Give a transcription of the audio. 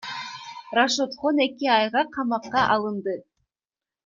Рашодхон эки айга камакка алынды.